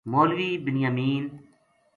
مولوی بنیامین